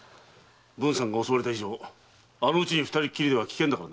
文さんが襲われた以上あの家に二人きりでは危険だ。